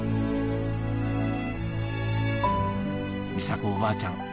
みさ子おばあちゃん